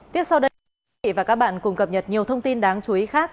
tiếp sau đây chúng tôi và các bạn cùng cập nhật nhiều thông tin đáng chú ý khác